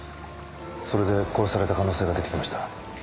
それで殺された可能性が出てきました。